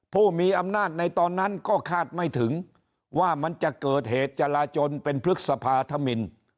ผู้มีอำนาจในตอนนั้นก็คาดไม่ถึงว่ามันจะเกิดเหตุจราจนเป็นพฤษภาธมิน